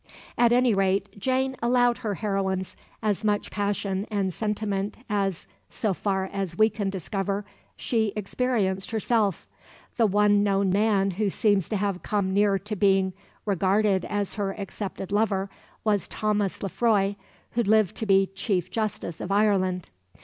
At any rate Jane allowed her heroines as much passion and sentiment as so far as we can discover she experienced herself. The one known man who seems to have come near to being regarded as her accepted lover was Thomas Lefroy, who lived to be Chief Justice of Ireland.